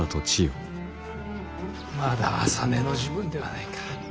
・まだ朝寝の時分ではないか。